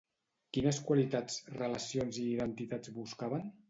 Quines qualitats, relacions i identitats buscaven?